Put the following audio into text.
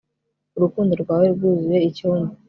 urukundo rwawe rwuzuye icyumba